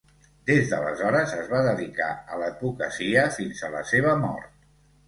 Des d'aleshores es va dedicar a l'advocacia fins a la seva mort.